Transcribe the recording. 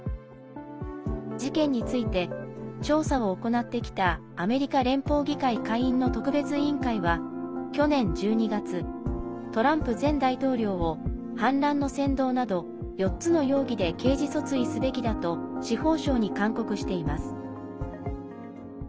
事件について、調査を行ってきたアメリカ連邦議会下院の特別委員会は、去年１２月トランプ前大統領を反乱の扇動など４つの容疑で刑事訴追すべきだと司法省に勧告しています。